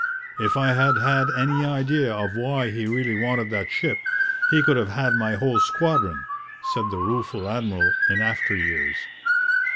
'If I had had any idea of why he really wanted that ship, he could have had my whole squadron,' said the rueful admiral in after years.